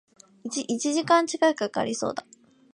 一時間近く掛かりそうだ